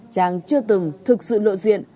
trang chưa từng thực sự lộ diện